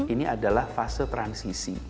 ini adalah fase transisi